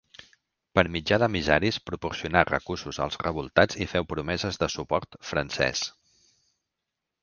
Per mitjà d'emissaris proporcionà recursos als revoltats i feu promeses de suport francès.